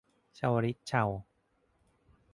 เชาวฤทธิ์เชา